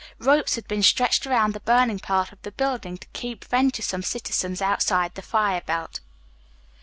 Ropes had been stretched around the burning part of the building to keep venturesome citizens outside the fire belt.